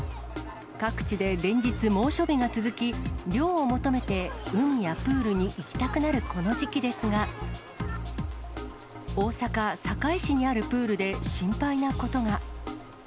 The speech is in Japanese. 各地で連日、猛暑日が続き、涼を求めて海やプールに行きたくなるこの時期ですが、大阪・堺市にあるプールで心配なことが。